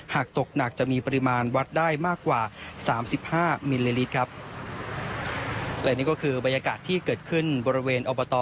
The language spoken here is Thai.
หากตกหนักจะมีปริมาณวัดได้มากกว่าสามสิบห้ามิลลิลิตรครับและนี่ก็คือบรรยากาศที่เกิดขึ้นบริเวณอบต